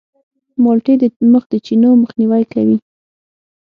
مالټې د مخ د چینو مخنیوی کوي.